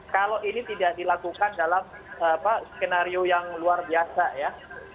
kalau ini tidak dilakukan dalam skenario yang luar biasa ya